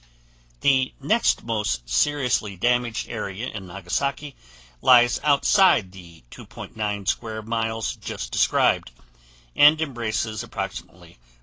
The next most seriously damaged area in Nagasaki lies outside the 2.9 square miles just described, and embraces approximately 4.